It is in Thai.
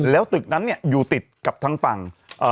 แล้วตึกนั้นเนี่ยอยู่ติดกับทางฝั่ง